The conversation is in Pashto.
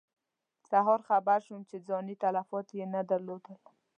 سهار خبر شوم چې ځاني تلفات یې نه درلودل.